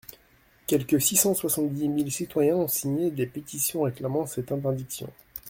Quelque six cent soixante-dix mille citoyens ont signé des pétitions réclamant cette interdiction.